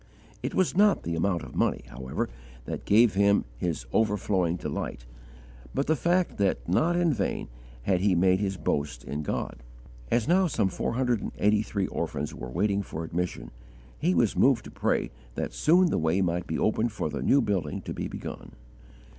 It was not the amount of money, however, that gave him his overflowing delight, but the fact that not in vain had he made his boast in God. As now some four hundred and eighty three orphans were waiting for admission, he was moved to pray that soon the way might be opened for the new building to be begun.